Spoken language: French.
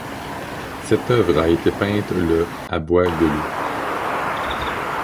Cette œuvre a été peinte le à Boisgeloup.